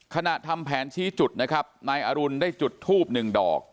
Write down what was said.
ทำแผนชี้จุดนะครับนายอรุณได้จุดทูบหนึ่งดอก